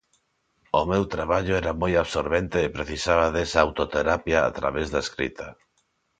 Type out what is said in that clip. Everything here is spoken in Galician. O meu traballo era moi absorbente e precisaba desa "autoterapia" a través da escrita.